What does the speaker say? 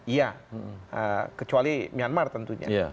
ya kecuali myanmar tentunya